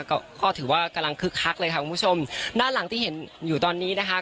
ก็ก็ถือว่ากำลังคึกคักเลยค่ะคุณผู้ชมด้านหลังที่เห็นอยู่ตอนนี้นะคะ